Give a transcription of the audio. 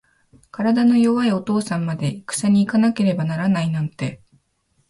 体の弱いお父さんまで、いくさに行かなければならないなんて。